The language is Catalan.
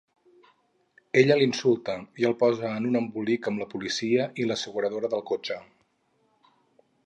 Ella l'insulta i el posa en un embolic amb la policia i l'asseguradora del cotxe.